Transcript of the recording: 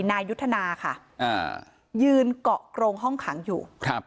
นายุทธนาค่ะยืนเกาะกรงห้องขังอยู่